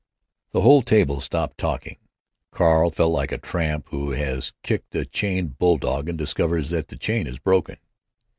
The whole table stopped talking. Carl felt like a tramp who has kicked a chained bulldog and discovers that the chain is broken.